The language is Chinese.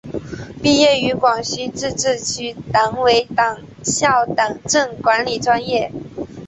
毕业于广西自治区党委党校党政管理专业。